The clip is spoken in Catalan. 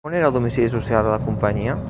On era el domicili social de la companyia?